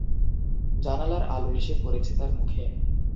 জানলার আলো এসে পড়েছে তার মুখে।